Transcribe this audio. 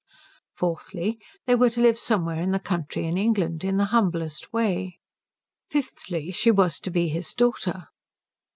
Fourthly, they were to live somewhere in the country in England, in the humblest way. Fifthly, she was to be his daughter.